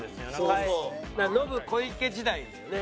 ノブ小池時代だよね。